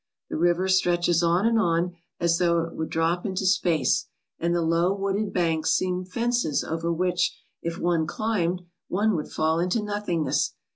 The river stretches on and on as though it would drop into space, and the low wooded banks seem fences over which, if one climbed, one would fall into nothingness.